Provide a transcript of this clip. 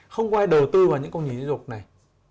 không có ai đầu tư vào những công trình dịch vụ này